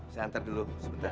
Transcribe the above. saya hantar dulu sebentar